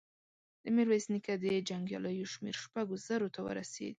د ميرويس نيکه د جنګياليو شمېر شپږو زرو ته ورسېد.